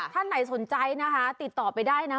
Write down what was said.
ท่านไหนสนใจนะคะติดต่อไปได้นะ